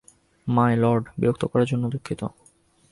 মাই lord, বিরক্ত করার জন্য দুঃখিত।